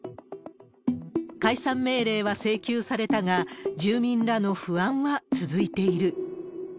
解散命令は請求されたが、住民らの不安は続いている。